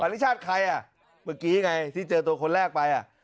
ริชาติใครอ่ะเมื่อกี้ไงที่เจอตัวคนแรกไปอ่ะ